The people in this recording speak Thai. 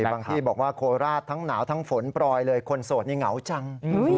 บางที่บอกว่าโคราชทั้งหนาวทั้งฝนปล่อยเลยคนโสดนี่เหงาจัง